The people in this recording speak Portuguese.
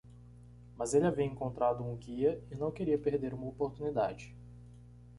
Mas ele havia encontrado um guia? e não queria perder uma oportunidade.